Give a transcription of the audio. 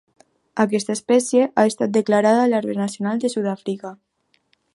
Aquesta espècie ha estat declarada l'arbre nacional de Sud-àfrica.